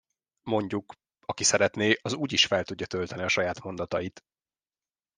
Mondjuk, aki szeretné az úgyis fel tudja tölteni a saját mondatait.